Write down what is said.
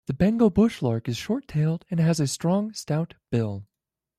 The Bengal bush lark is short-tailed and has a strong stout bill.